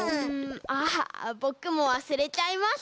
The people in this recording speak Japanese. あぼくもわすれちゃいました。